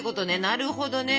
なるほどね。